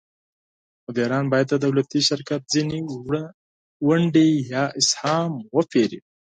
مدیران باید د دولتي شرکت ځینې ونډې یا اسهام وپیري.